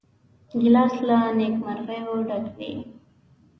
ګیلاس له نیکمرغیو ډک وي.